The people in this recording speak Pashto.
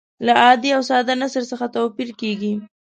له عادي او ساده نثر څخه توپیر کیږي.